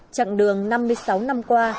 trạng đường năm mươi sáu năm qua